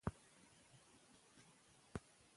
هغوی خپل تخت او تاج په خپلو لاسونو له لاسه ورکړ.